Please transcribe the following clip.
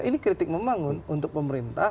ini kritik membangun untuk pemerintah